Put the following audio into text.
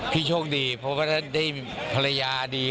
พี่โชคดีเพราะว่าได้มีภรรยาดี